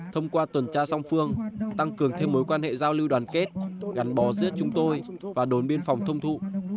thông qua tuần tra song phương tăng cường thêm mối quan hệ giao lưu đoàn kết gắn bó giữa chúng tôi và đồn biên phòng thông thụ